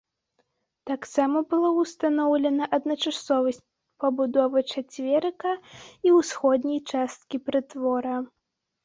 Таксама была ўстаноўлена адначасовасць пабудовы чацверыка і ўсходняй часткі прытвора.